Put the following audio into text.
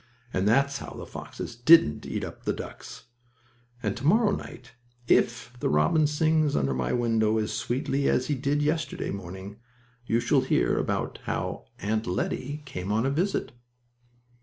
And that's how the foxes didn't eat up the ducks, and to morrow night, if the robin sings under my window as sweetly as he did yesterday morning, you shall hear about how Aunt Lettie came on a visit.